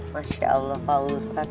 masya allah pak ustadz